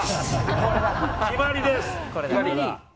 決まりです。